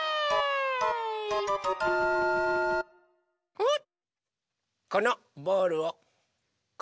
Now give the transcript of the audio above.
おっ。